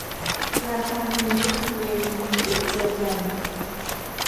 ราคานี้ ทำเลนี้ เดี๋ยวเจอกัน